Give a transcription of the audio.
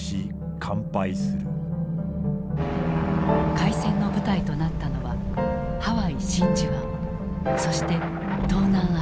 開戦の舞台となったのはハワイ・真珠湾そして東南アジア。